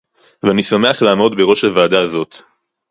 ואני שמח לעמוד בראש הוועדה הזאת